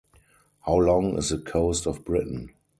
How Long Is the Coast of Britain?